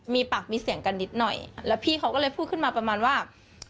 มีปากมีเสียงกันนิดหน่อยแล้วพี่เขาก็เลยพูดขึ้นมาประมาณว่า